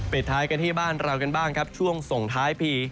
ท้ายกันที่บ้านเรากันบ้างครับช่วงส่งท้ายปี